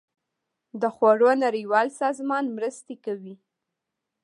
د خوړو نړیوال سازمان مرستې کوي